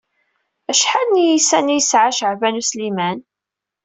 Acḥal n yiysan i yesɛa Caɛban U Sliman?